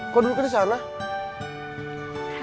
k session gak tanya saja